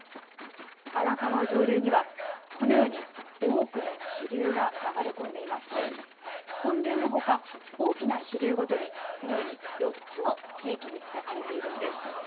荒川上流にはこのように多くの支流が流れ込んでいまして本流のほか、大きな支流ごとにこのように４つの地域に分かれているんです。